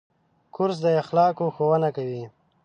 کورس د اخلاقو ښوونه کوي.